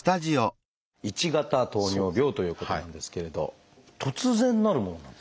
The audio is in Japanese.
１型糖尿病ということなんですけれど突然なるものなんですか？